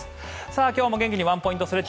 今日も元気にワンポイントストレッチ